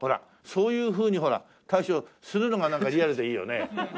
そういうふうにするのがなんかリアルでいいよね。